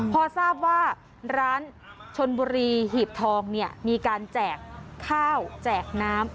พอทราบว่าร้านชนบุรีหีบทองเนี่ยมีการแจกข้าวแจกน้ำ